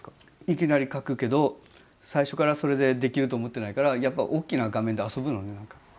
いきなり描くけど最初からそれでできると思ってないからやっぱおっきな画面で遊ぶのね何か。